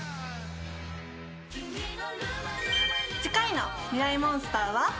次回の『ミライ☆モンスター』は？